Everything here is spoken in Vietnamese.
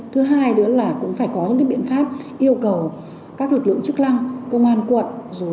thứ hai nữa là cũng phải có những biện pháp yêu cầu các lực lượng chức năng công an quận